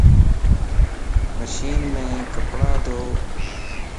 مشين مَ ڪپڙا ڌو